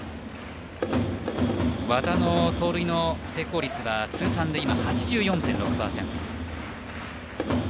和田の盗塁の成功率は通算で８４．６％です。